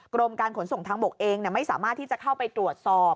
กรมการขนส่งทางบกเองไม่สามารถที่จะเข้าไปตรวจสอบ